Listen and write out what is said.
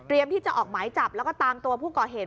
ที่จะออกหมายจับแล้วก็ตามตัวผู้ก่อเหตุ